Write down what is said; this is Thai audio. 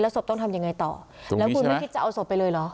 ศพต้องทำยังไงต่อแล้วคุณไม่คิดจะเอาศพไปเลยเหรอ